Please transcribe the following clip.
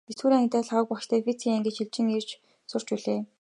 Есдүгээр ангидаа Лхагва багштай физикийн ангид шилжин ирж сурч билээ.